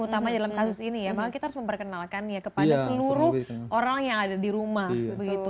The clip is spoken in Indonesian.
utama dalam kasus ini ya memang kita harus memperkenalkan ya kepada seluruh orang yang ada di rumah begitu